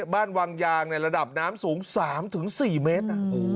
บ้านวังยางในระดับน้ำสูง๓๔เมตร